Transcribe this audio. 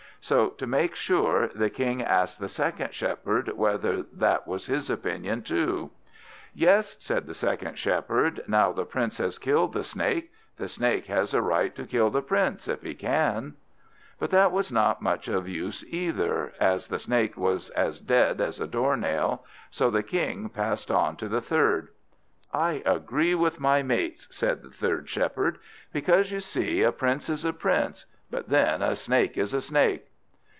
So to make sure, the King asked the second Shepherd whether that was his opinion too? "Yes," said the second Shepherd; "now the Prince has killed the Snake, the Snake has a right to kill the Prince, if he can." But that was not of much use either, as the Snake was as dead as a door nail. So the King passed on to the third. "I agree with my mates," said the third Shepherd, "because, you see, a Prince is a Prince, but then a Snake is a Snake."